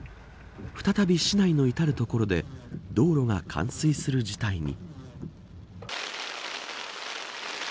再び、市内のいたる所で道路が冠水する事態に。